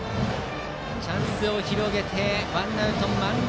チャンスを広げてワンアウト満塁。